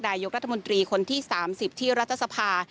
นายกรัฐมนตรีคนที่๓๐ที่รัฐสภา